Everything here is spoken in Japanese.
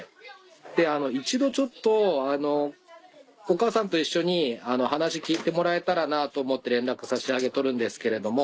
で一度ちょっとお母さんと一緒に話聞いてもらえたらなと思って連絡差し上げとるんですけれども。